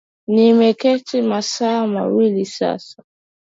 Nimeketi masaa mawili sasa